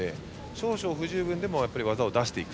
少々、不十分でも技を出していく。